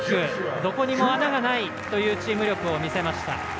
どこにも穴がないというチーム力を見せました。